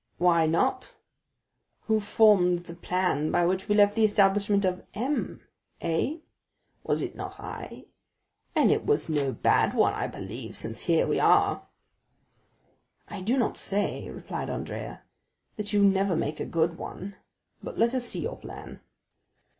"Why not? Who formed the plan by which we left the establishment of M——! eh? was it not I? and it was no bad one I believe, since here we are!" "I do not say," replied Andrea, "that you never make a good one; but let us see your plan."